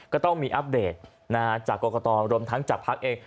ก็ต้องมีอัปเดตจากกรกตรวมทั้งจากภักดิ์เอง